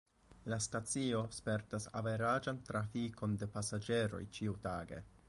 La stacio spertas averaĝan trafikon de pasaĝeroj ĉiutage.